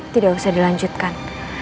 tidak usah dilanjutkan